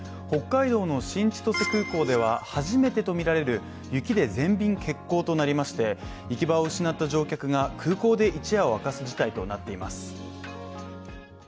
北海道の新千歳空港では初めてとみられる雪で全便欠航となりまして、行き場を失った乗客が空港で一夜を明かす事態となっています。